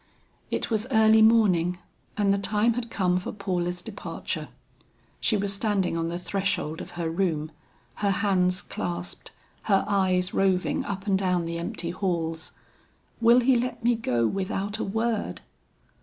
It was early morning and the time had come for Paula's departure. She was standing on the threshold of her room, her hands clasped, her eyes roving up and down the empty halls. "Will he let me go without a word?"